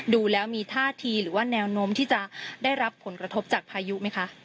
ดูแล้วมีท่าทีหรือว่าแนวโน้มที่จะได้รับผลกระทบจากพายุไหมคะ